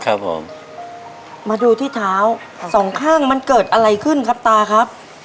ครับผมมาดูที่เท้าสองข้างมันเกิดอะไรขึ้นครับตาครับ